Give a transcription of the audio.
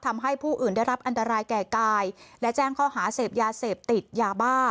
ทำให้ผู้อื่นได้รับอันตรายแก่กายและแจ้งข้อหาเสพยาเสพติดยาบ้า